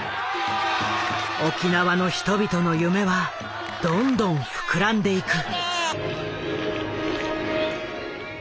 沖縄の人々の夢はどんどん膨らんでいく。